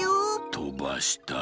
とばしたい。